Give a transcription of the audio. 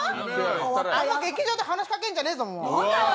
劇場で話しかけんじゃねえぞ。